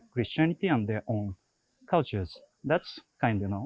kristianitas dan budaya mereka sendiri